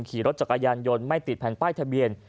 ขี่รถจักรยานยนต์ไม่ติดแผ่นป้ายทะเบียน